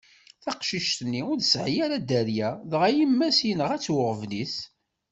Taqcict-nni ur tesɛi ara dderya, dɣa yemma-s yenɣa-tt uɣbel-is.